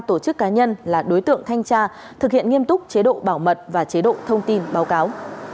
tổ chức cá nhân là đối tượng thanh tra thực hiện nghiêm túc chế độ bảo mật và chế độ thông tin báo cáo